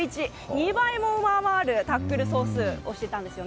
２倍も上回るタックル総数をしていたんです。